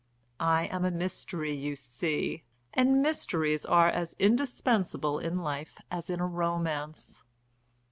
I am a mystery, you see! And mysteries are as indispensable in life as in a romance."